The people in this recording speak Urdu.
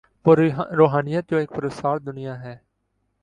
وہ روحانیت جو ایک پراسرار دنیا ہے۔